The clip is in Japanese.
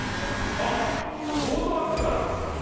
あっトートバッグだ。